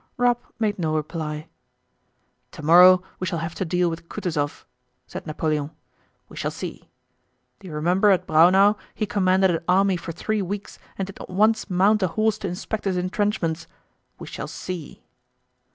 Rapp made no reply. "Tomorrow we shall have to deal with Kutúzov!" said Napoleon. "We shall see! Do you remember at Braunau he commanded an army for three weeks and did not once mount a horse to inspect his entrenchments.... We shall see!"